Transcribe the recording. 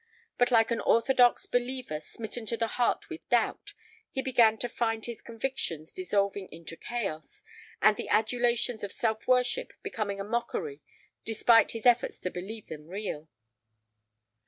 But, like an orthodox believer smitten to the heart with doubt, he began to find his convictions dissolving into chaos, and the adulations of self worship becoming a mockery despite his efforts to believe them real.